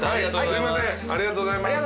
ありがとうございます。